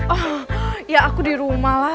oh ya aku di rumah lah